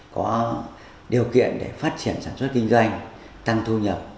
có điều kiện để phát triển sản xuất kinh doanh tăng thu nhập